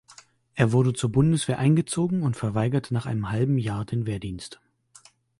Er wurde zur Bundeswehr eingezogen und verweigerte nach einem halben Jahr den Wehrdienst.